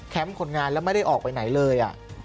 คนงานแล้วไม่ได้ออกไปไหนเลย